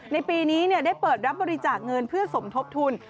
ในปีนี้ได้เปิดรับบริจาคเงินเพื่อสมทบทุน